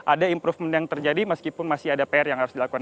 ada improvement yang terjadi meskipun masih ada pr yang harus dilakukan